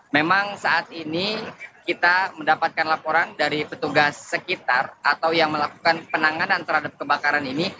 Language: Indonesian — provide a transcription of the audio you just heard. memang saat ini kita mendapatkan laporan dari petugas sekitar atau yang melakukan penanganan terhadap kebakaran ini